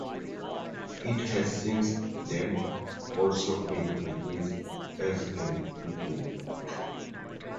It has since then also been released as an ebook.